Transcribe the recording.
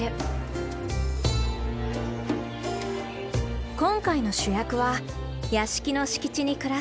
今回の主役は屋敷の敷地に暮らす動物たち。